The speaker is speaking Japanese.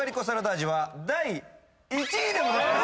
味は第１位でございます